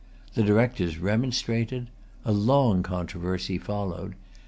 The Directors remonstrated. A long controversy followed.